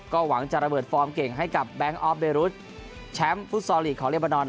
หวังจะระเบิดฟอร์มเก่งให้กับแบงค์ออฟเดรุสแชมป์ฟุตซอลลีกของเรบานอน